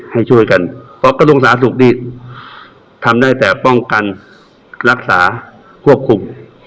ให้ช่วยกันเพราะคลุกษาสุขดีทำได้แต่ป้องกันรักษาควบคุม